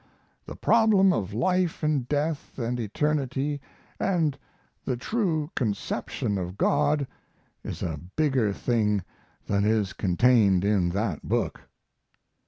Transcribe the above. The problem of life and death and eternity and the true conception of God is a bigger thing than is contained in that book."